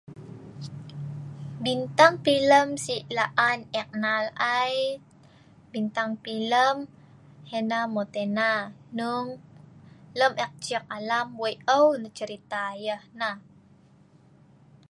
bintang pilem si' la'an eek nal ai, bintang pilem Hannah Montana, hnung lem eek cik alam wei' eu nah cerita yah nah